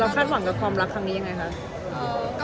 คาดหวังกับความรักครั้งนี้ยังไงคะ